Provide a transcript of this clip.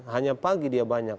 hanya pagi dia banyak